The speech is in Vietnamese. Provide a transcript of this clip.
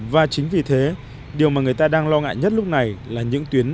và chính vì thế điều mà người ta đang lo ngại nhất lúc này là những tuyến